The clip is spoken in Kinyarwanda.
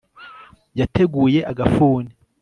Yateguye agafuni